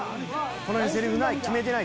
この辺セリフない決めてない？